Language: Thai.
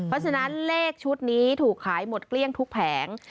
เพราะฉะนั้นเลขชุดนี้ถูกขายหมดเกลี้ยงทุกแผง